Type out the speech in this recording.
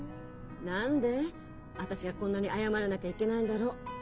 「何で私がこんなに謝らなきゃいけないんだろう？